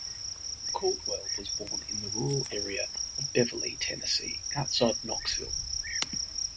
Caldwell was born in the rural area of Beverly, Tennessee, outside Knoxville.